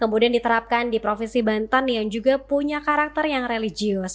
kemudian diterapkan di provinsi banten yang juga punya karakter yang religius